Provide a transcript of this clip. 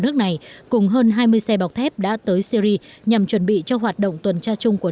nước này cùng hơn hai mươi xe bọc thép đã tới syri nhằm chuẩn bị cho hoạt động tuần tra chung của